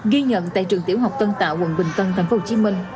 ghi nhận tại trường tiểu học tân tạo quận bình tân thành phố hồ chí minh